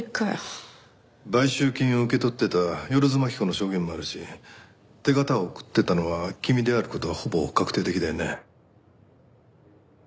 買収金を受け取ってた万津蒔子の証言もあるし手形を送ってたのは君である事はほぼ確定的だよね。